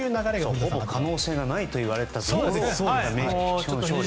ほぼ可能性がないといわれたところを。